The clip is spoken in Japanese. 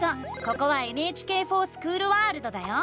ここは「ＮＨＫｆｏｒＳｃｈｏｏｌワールド」だよ！